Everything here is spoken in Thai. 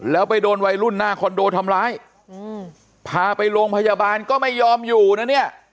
แล้วไปโดนวัยรุ่นหน้าคอนโดทำร้ายอืมพาไปโรงพยาบาลก็ไม่ยอมอยู่นะเนี่ย